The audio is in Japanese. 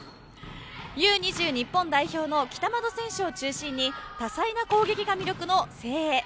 Ｕ‐２０日本代表の北窓選手を中心に多彩な攻撃が魅力の誠英。